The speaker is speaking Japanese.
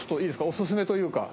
おすすめというか。